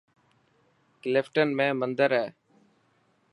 ڪلفٽن ۾ مندر هي